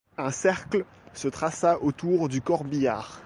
Un cercle se traça autour du corbillard.